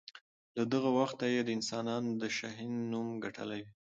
له دغه وخته یې د انسانانو د شهین نوم ګټلی وي.